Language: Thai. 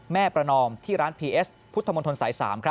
ประนอมที่ร้านพีเอสพุทธมนตรสาย๓